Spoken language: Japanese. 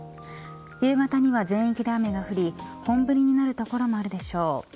夕方には全域で雨が降り本降りになる所もあるでしょう。